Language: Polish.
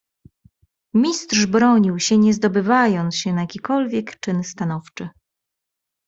"Mistrz bronił się, nie zdobywając się na jakikolwiek czyn stanowczy."